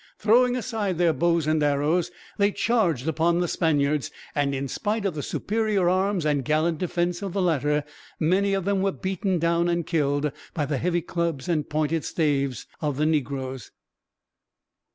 Throwing aside their bows and arrows, they charged upon the Spaniards; and in spite of the superior arms and gallant defense of the latter, many of them were beaten down, and killed, by the heavy clubs and pointed starves of the negroes.